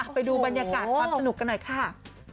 ไปดูบรรยากาศความสนุกกันหน่อยค่ะ